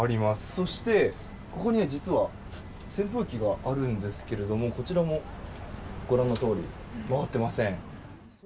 そして、ここには実は扇風機があるんですがこちらもご覧のとおり回っていません。